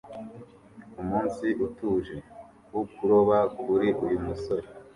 Umunsi utuje wo kuroba kuri uyu musore